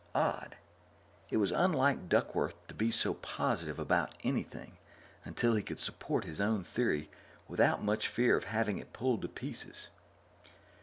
Odd. It was unlike Duckworth to be so positive about anything until he could support his own theory without much fear of having it pulled to pieces.